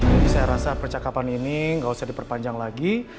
jadi saya rasa percakapan ini gak usah diperpanjang lagi